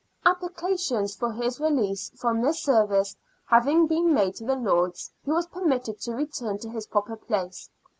Applications for his release from this service having been made to the Lords, he was permitted to return to his proper place.